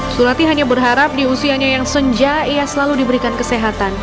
surati hanya berharap di usianya yang senja ia selalu diberikan kesehatan